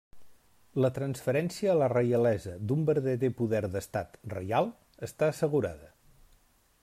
La transferència a la reialesa d'un verdader poder d'estat, reial, està assegurada.